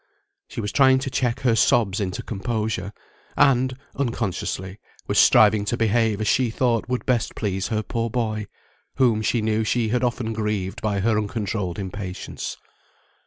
She was trying to check her sobs into composure, and (unconsciously) was striving to behave as she thought would best please her poor boy, whom she knew she had often grieved by her uncontrolled impatience.